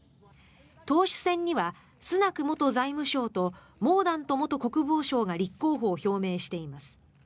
党首選にはスナク元財務相とモーダント元国防相が立候補を表明しています。